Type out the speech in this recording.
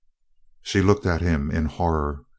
She looked at him in horror.